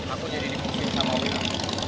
aku jadi dipusing sama wina